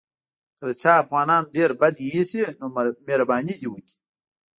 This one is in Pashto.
که د چا افغانان ډېر بد ایسي نو مهرباني دې وکړي.